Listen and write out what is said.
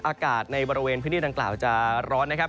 อากาศในบริเวณพื้นที่ดังกล่าวจะร้อนนะครับ